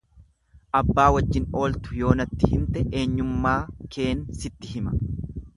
Abbaa wajjin ooltu yoo natti himte eenyunmaa keen sitti hima.